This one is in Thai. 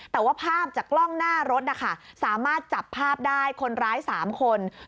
แต่ว่าภาพจากกล้องหน้ารถนะคะสามารถจับภาพได้คนร้าย๓คน